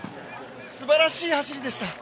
すばらしい走りでした。